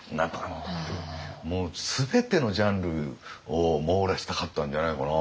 もう全てのジャンルを網羅したかったんじゃないのかな。